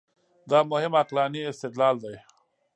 دا مهم عقلاني استدلال دی.